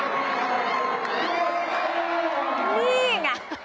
อืมนี่เหรอ